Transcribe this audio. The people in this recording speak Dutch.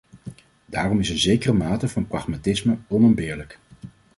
Daarom is een zekere mate van pragmatisme onontbeerlijk.